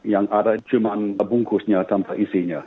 yang ada cuma bungkusnya tanpa isinya